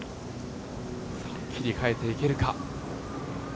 切り替えていけるか。